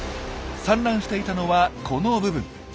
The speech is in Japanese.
産卵していたのはこの部分。